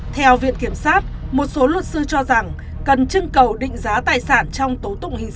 theo viện kiểm sát một số luật sư cho rằng cần trưng cầu định giá tài sản trong tố tụng hình sự